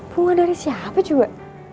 bunga dari siapa juga